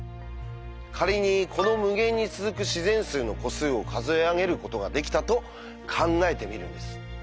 仮にこの無限に続く自然数の個数を数えあげることができたと考えてみるんです。